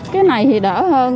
cái này thì đỡ hơn